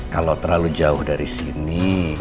kalau terlalu jauh dari sini